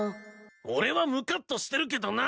俺はムカッとしてるけどな。